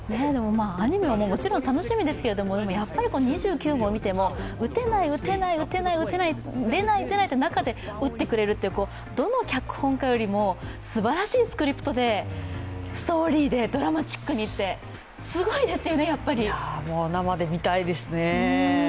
アニメはもちろん楽しみですが、やっぱり２９号を見ても、打てない、打てない、出ない、出ないっていう中で打ってくれるという、どの脚本家よりもすばらしいスクリプトでストーリーでドラマチックにってもう、生で見たいですね。